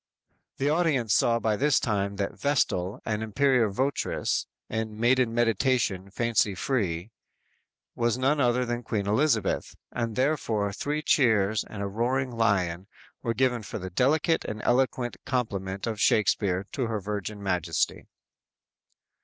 "_ The audience saw by this time that the "Vestal" and "Imperial Voteress" in "maiden meditation, fancy free" was none other than Queen Elizabeth, and therefore three cheers and a roaring lion were given for the delicate and eloquent compliment of Shakspere to her Virgin Majesty!